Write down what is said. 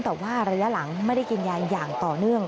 แต่ว่าระยะหลังไม่ได้กินยาอย่างต่อเนื่อง